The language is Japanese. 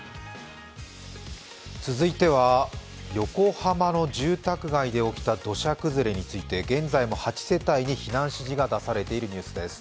続いては横浜の住宅街で起きた土砂崩れについて現在も８世帯に避難指示が出されているニュースです。